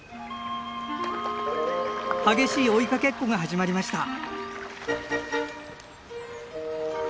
激しい追いかけっこが始まりました。